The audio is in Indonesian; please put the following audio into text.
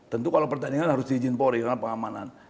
tentu kalau pertandingan harus diizinkan pori karena pengamanan